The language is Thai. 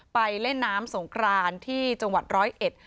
ไปเล่นน้ำสงครานที่จังหวัดร้อยเอ็ด